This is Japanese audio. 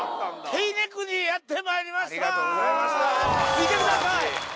見てください！